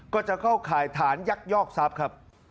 ก็จะเข้าขายถ่ายยักษ์ยอกซับครับ